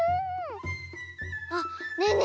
あっねえね